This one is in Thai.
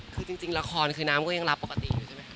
คือจริงละครคือน้ำก็ยังรับปกติอยู่ใช่ไหมค